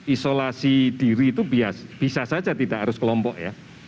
isolasi diri itu bisa saja tidak harus kelompok ya